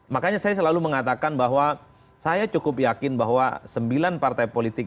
makanya saya selalu mengatakan bahwa saya cukup yakin bahwa sembilan partai politik